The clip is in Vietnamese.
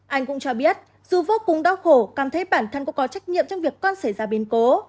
anh cũng cho biết dù vô cùng đau khổ cảm thấy bản thân cũng có trách nhiệm trong việc con xảy ra biến cố